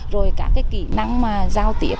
rồi các cái kỹ năng mà giao tiếp